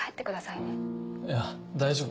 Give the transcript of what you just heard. いや大丈夫。